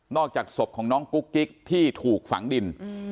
อกจากศพของน้องกุ๊กกิ๊กที่ถูกฝังดิน